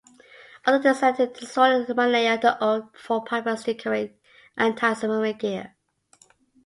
Although designated a destroyer-minelayer, the old four-piper still carried antisubmarine gear.